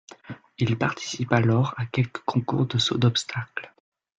Il participe alors à quelques concours de saut d'obstacles.